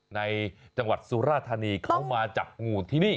ในจังหวัดสุราธานีเขามาจับงูที่นี่